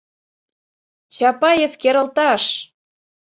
— Чапаев керылташ.